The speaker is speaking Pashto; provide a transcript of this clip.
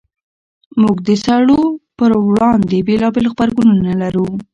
موږ د سړو پر وړاندې بېلابېل غبرګونونه لرو.